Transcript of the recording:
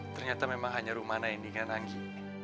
ternyata memang hanya rumana ini kan anggi